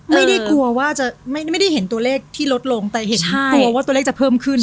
ไม่ได้กลัวว่าจะไม่ได้เห็นตัวเลขที่ลดลงแต่เห็นกลัวว่าตัวเลขจะเพิ่มขึ้น